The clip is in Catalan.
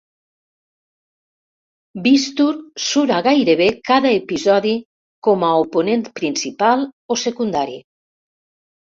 Beastur surt a gairebé cada episodi com a oponent principal o secundari.